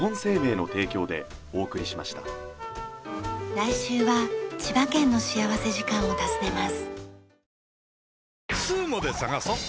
来週は千葉県の幸福時間を訪ねます。